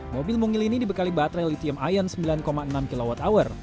mobil mungil ini dibekali baterai lithium ion sembilan enam kwh